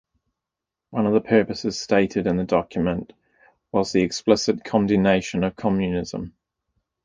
One of the purposes stated in the document was the explicit condemnation of Communism.